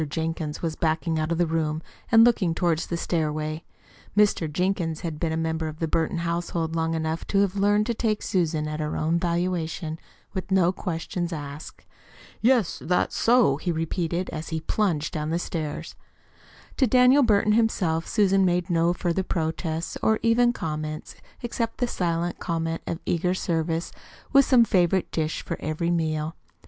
Jenkins was backing out of the room and looking toward the stairway. Mr. Jenkins had been a member of the Burton household long enough to have learned to take Susan at her own valuation, with no questions asked. "Yes, that's so," he repeated, as he plunged down the stairs. To Daniel Burton himself Susan made no further protests or even comments except the silent comment of eager service with some favorite dish for every meal.